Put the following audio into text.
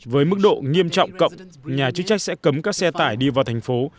với mức độ nghiêm trọng cộng nhà chức trách sẽ cấm các xe tải đi vào thành phố